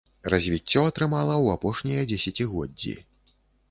Развіццё атрымала ў апошнія дзесяцігоддзі.